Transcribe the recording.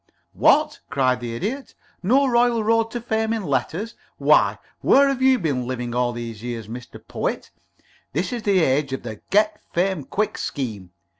"What!" cried the Idiot. "No royal road to fame in letters! Why, where have you been living all these years, Mr. Poet? This is the age of the Get Fame Quick Scheme.